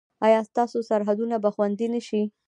ایا ستاسو سرحدونه به خوندي نه شي؟